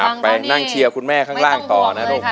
ไปนั่งเชียร์คุณแม่ข้างล่างต่อนะลูก